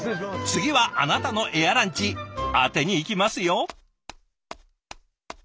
次はあなたのエアランチ当てにいきますよ。